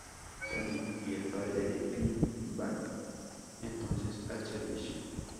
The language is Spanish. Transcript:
Tony y el padre de Finn van entonces al servicio.